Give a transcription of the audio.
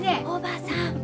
おばさん！